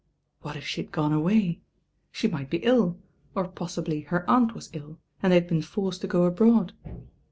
What if she had gone W She might be ill. or po.«bly her aunt las ill ^'J th^ had be«, forced to go abroad.